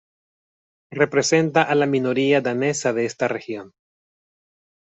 Representa a la minoría danesa de esta región.